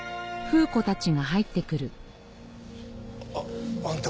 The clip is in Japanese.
ああんた